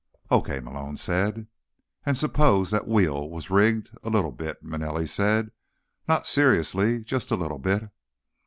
"Okay," Malone said. "And suppose the wheel was rigged a little bit," Manelli said. "Not seriously, just a little bit."